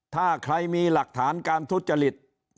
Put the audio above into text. ถ้าใครมีหลักฐานการทุจริต